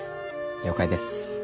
了解です。